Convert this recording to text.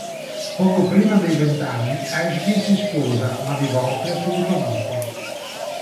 Poco prima dei vent'anni Ashby si sposa, ma divorzia subito dopo.